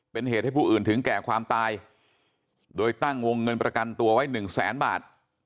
เป็นเหตุให้ผู้อื่นถึงแก่ความตายโดยตั้งวงเงินประกันตัวไว้หนึ่งแสนบาท